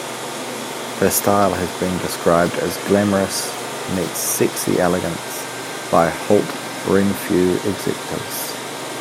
Her style has been described as "glamorous" meets "sexy elegance" by Holt Renfrew executives.